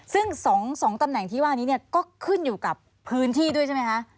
ซึ่ง๒ตำแหน่งที่ว่านี้เนี่ยก็ขึ้นอยู่กับพื้นที่ด้วยใช่ไหมคะ